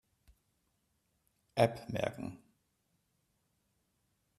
App merken.